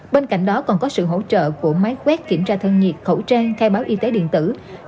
bên cạnh đó còn có sự hỗ trợ của máy quét kiểm tra thân nhiệt khẩu trang khai báo y tế điện tử